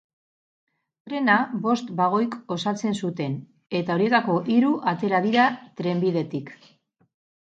Trena bost bagoik osatzen zuten, eta horietako hiru atera dira trenbidetik.